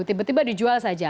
tiba tiba dijual saja